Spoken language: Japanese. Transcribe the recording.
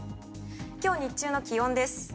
今日日中の気温です。